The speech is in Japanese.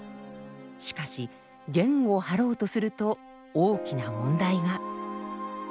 しかし弦を張ろうとすると大きな問題が。